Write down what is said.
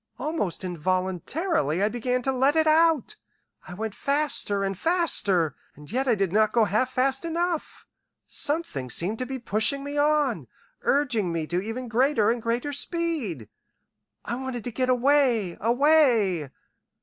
Almost involuntarily I began to let it out. I went faster and faster and yet I did not go half fast enough. Something seemed to be pushing me on, urging me to even greater and greater speed. I wanted to get away, away